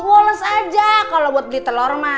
woles aja kalo buat beli telor